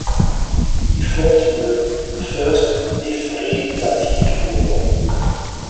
He fought in the First Mithridatic War.